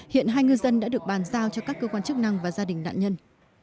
hiện hai ngư dân đã được bàn giao cho các cơ quan chức năng và gia đình nạn nhân